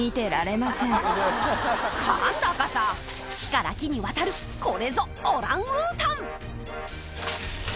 今度こそ木から木に渡るこれぞオランウータン！